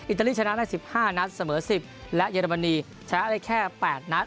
ตาลีชนะได้๑๕นัดเสมอ๑๐และเยอรมนีชนะได้แค่๘นัด